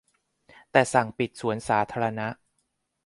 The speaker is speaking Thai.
แต่สั่งปิดสวนสาธารณะ